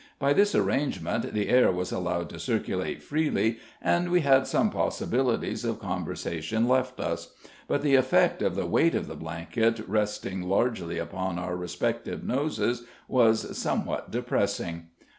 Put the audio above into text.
By this arrangement the air was allowed to circulate freely, and we had some possibilities of conversation left us; but the effect of the weight of the blanket resting largely upon our respective noses was somewhat depressing.